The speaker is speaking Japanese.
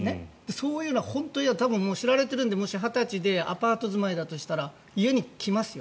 そういうのは知られているので２０歳でアパート住まいだとしたら家に来ますよ。